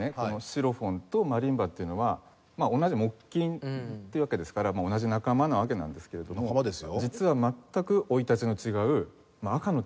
シロフォンとマリンバっていうのは同じ木琴っていうわけですから同じ仲間なわけなんですけれども実は全く生い立ちの違う赤の他人の楽器なんですね。